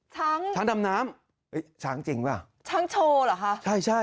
ช้างช้างดำน้ำ